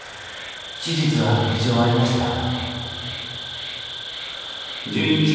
手術は無事終わりましたよ。